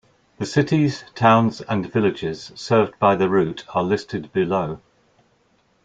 The cities, towns and villages served by the route are listed below.